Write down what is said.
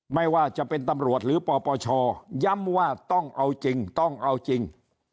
ไม่ว่าจะเป็นตำรวจหรือปปชย้ำว่าต้องเอาจริงต้องเอาจริง